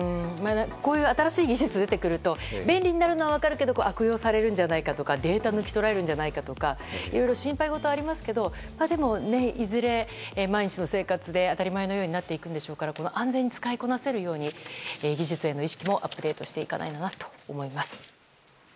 こういう新しい技術が出てくると便利になるのは分かるけど悪用されるとかデータを抜き取られるんじゃないかとか心配事がありますがでも、いずれ毎日の生活で当たり前のようになっていくでしょうから安全に使いこなせるように技術への意識もアップデートしていきたいです。